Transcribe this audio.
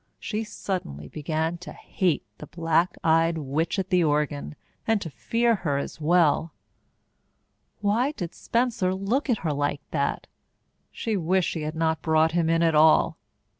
She suddenly began to hate the black eyed witch at the organ and to fear her as well. Why did Spencer look at her like that? She wished she had not brought him in at all.